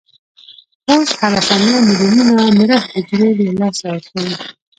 پوست هره ثانیه ملیونونه مړه حجرو له لاسه ورکوي.